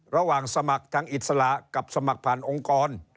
สมัครทางอิสระกับสมัครผ่านองค์กร